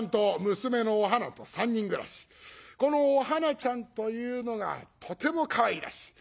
このお花ちゃんというのがとてもかわいらしい。